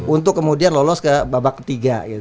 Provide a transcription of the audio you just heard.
untuk kemudian lolos ke babak ketiga